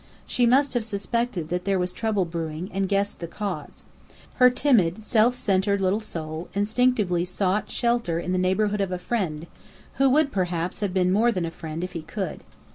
She must have suspected that there was trouble brewing, and guessed the cause. Her timid, self centred little soul instinctively sought shelter in the neighbourhood of a friend, who would perhaps have been more than a friend, if he could.